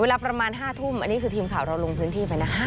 เวลาประมาณ๕ทุ่มอันนี้คือทีมข่าวเราลงพื้นที่ไปนะ